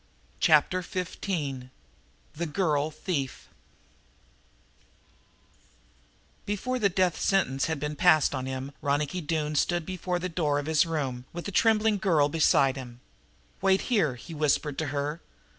Chapter Fifteen The Girl Thief Before that death sentence had been passed on him Ronicky Doone stood before the door of his room, with the trembling girl beside him. "Wait here," he whispered to her.